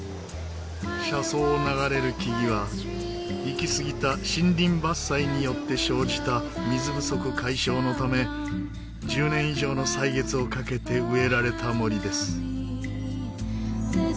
車窓を流れる木々は行きすぎた森林伐採によって生じた水不足解消のため１０年以上の歳月をかけて植えられた森です。